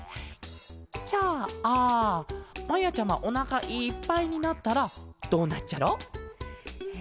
じゃあまやちゃまおなかいっぱいになったらどうなっちゃうケロ？